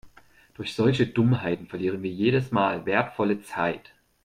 Durch solche Dummheiten verlieren wir jedes Mal wertvolle Zeit.